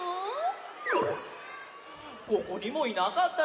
ここにもいなかったよ。